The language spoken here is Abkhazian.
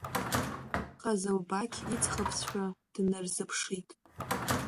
Ҟазылбақь иӡӷабцәа днарзыԥшит.